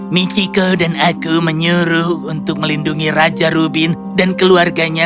michiko dan aku menyuruh untuk melindungi raja rubin dan keluarganya